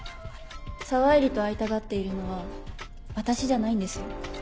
沢入と会いたがっているのは私じゃないんですよ。